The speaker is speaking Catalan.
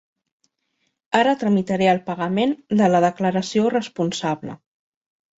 Ara tramitaré el pagament de la declaració responsable.